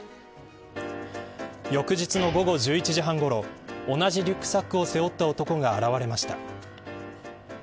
翌日の午後１１時半ごろ同じリュックサックを背負った男が現れました。